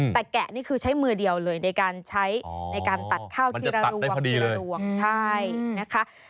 แต่แกะนี่คือใช้มือเดียวเลยในการใช้ในการตัดข้าวทีละดวงทีละดวงใช่นะคะ